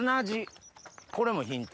これもヒント。